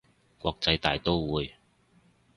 國際大刀會